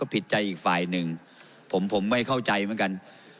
ผิดใจอีกฝ่ายหนึ่งผมไม่เข้าใจเหมือนกัน